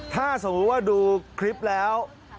ถ้าสมมุติว่าดูคลิปแล้ว